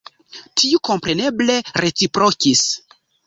Tiu kompreneble reciprokis.”